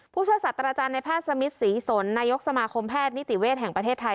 ผู้ช่วยศัตราจารย์ในภาคสมิทร์ศรีศนนายกสมาคมแพทย์นิติเวทย์แห่งประเทศไทย